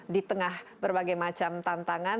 di tengah berbagai macam tantangan